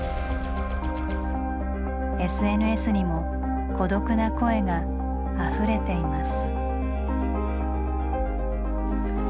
ＳＮＳにも「孤独」な声があふれています。